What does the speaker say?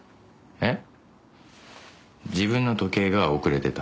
えっ？